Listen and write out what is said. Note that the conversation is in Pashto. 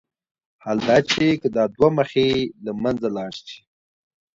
حال دا چې که دا دوه مخي له منځه لاړ شي.